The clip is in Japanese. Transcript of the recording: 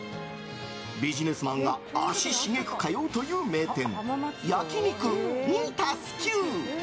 ビジネスマンが足しげく通うという名店焼肉２＋９。